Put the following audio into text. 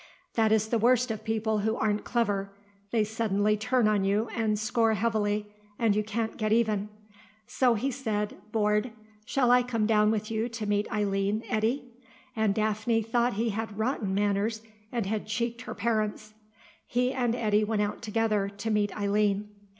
That is the worst of people who aren't clever; they suddenly turn on you and score heavily, and you can't get even. So he said, bored, "Shall I come down with you to meet Eileen, Eddy?" and Daphne thought he had rotten manners and had cheeked her parents. He and Eddy went out together, to meet Eileen.